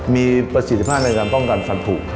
มีประสิทธิภาพในการป้องกันฟันถูก